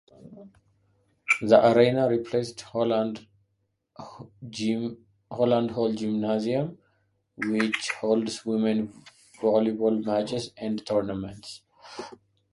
The arena replaced Holland Hall gymnasium, which holds women's volleyball matches and tournaments.